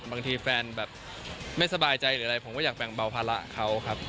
บางทีแฟนแบบไม่สบายใจหรืออะไรผมก็อยากแบ่งเบาภาระเขาครับ